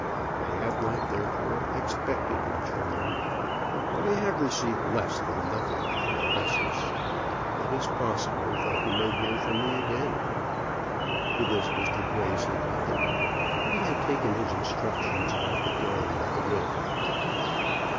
I have not, therefore, expected much from them. But I have received less than nothing from Augustus. It is possible that he may hear from me again." To this Mr. Grey said nothing, but he had taken his instructions about the drawing of the will.